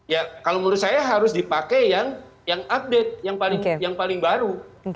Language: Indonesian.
ya kalau menurut saya harus dipakai yang update yang paling baru